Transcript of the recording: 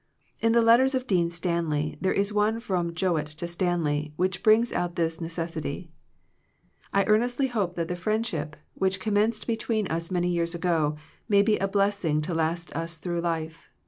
In the letters of Dean Stanley, there is one from Jowett to Stanley, which brings out this necessity, "I earnestly hope that the friendship, which commenced be tween us many years ago, may be a blessing to last us through life.